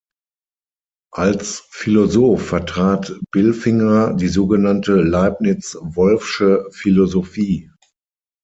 Als Philosoph vertrat Bilfinger die sogenannte Leibniz-Wolffsche Philosophie.